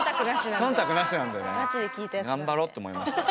頑張ろうって思いました。